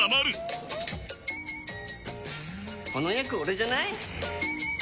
この役オレじゃない？